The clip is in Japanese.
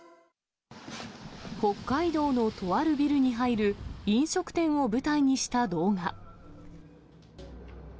北海道のとあるビルに入る、飲食店を舞台にした動画。